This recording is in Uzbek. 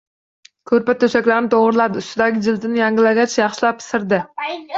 Koʻrpa-toʻshaklarni toʻgʻriladi, ustidagi jildini yangilagach, yaxshilab sirdi